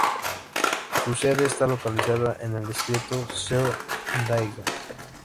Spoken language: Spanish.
Su sede esta localizada en el distrito Seo, Daejeon.